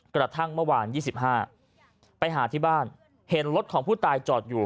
กระทั่งเมื่อวาน๒๕ไปหาที่บ้านเห็นรถของผู้ตายจอดอยู่